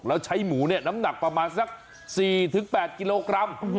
แล้วใช้หมูเนี่ยน้ำหนักประมาณสัก๔๘กิโลกรัม